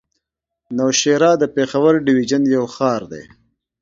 نوشهره د پېښور ډويژن يو ښار دی.